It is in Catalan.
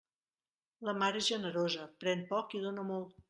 La mar és generosa: pren poc i dóna molt.